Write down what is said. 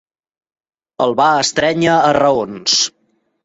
El va estrènyer a raons.